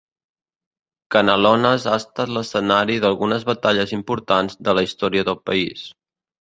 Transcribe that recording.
Canelones ha estat l'escenari d'algunes batalles importants de la història del país.